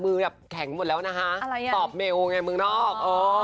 แบบแข็งหมดแล้วนะคะตอบเมลไงเมืองนอก